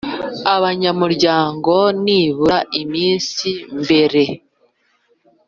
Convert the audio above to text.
Abanyamuryango nibura iminsi mbere